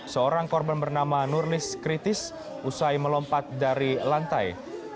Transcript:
seorang korban bernama nurlis kritis usai melompat dari lantai